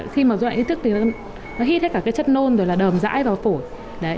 khi rối loạn ý thức nó hít hết chất nôn rồi đờm rãi vào phổi